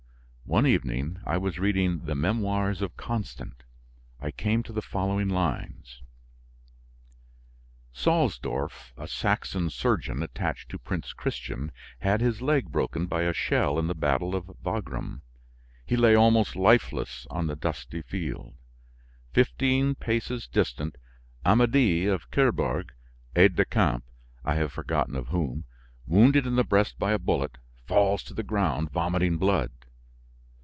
One evening, I was reading the "Memoirs of Constant"; I came to the following lines: "Salsdorf, a Saxon surgeon attached to Prince Christian, had his leg broken by a shell in the battle of Wagram. He lay almost lifeless on the dusty field. Fifteen paces distant, Amedee of Kerbourg, aide de camp, I have forgotten of whom, wounded in the breast by a bullet, falls to the ground vomiting blood.